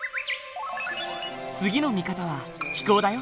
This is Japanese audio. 次の見方は気候だよ。